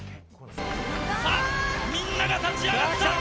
さぁ、みんなが立ち上がった！